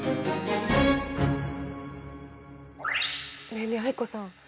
ねえねえ藍子さん